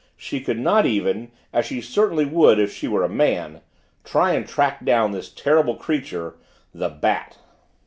She could not even, as she certainly would if she were a man, try and track down this terrible creature, the Bat!